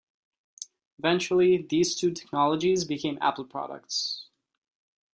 Eventually, these two technologies became Apple products.